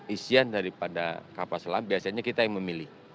isian daripada kapal selam biasanya kita yang memilih